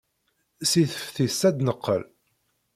Seg teftist ay d-neqqel.